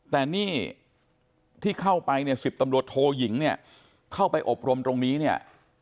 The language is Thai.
แต่นี่ที่เข้าไปเนี่ย๑๐ตำรวจโทยิงเนี่ยเข้าไปอบรมตรงนี้เนี่ย